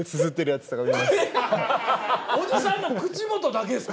ははっおじさんの口元だけですか？